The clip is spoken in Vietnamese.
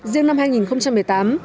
riêng năm hai nghìn một mươi tám